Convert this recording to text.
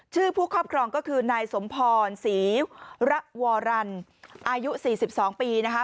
ผู้ครอบครองก็คือนายสมพรศรีระวรรณอายุ๔๒ปีนะคะ